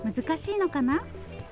難しいのかな？